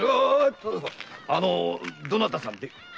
あのどなたさんで？